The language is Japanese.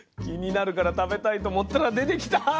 気になるから食べたいと思ったら出てきた！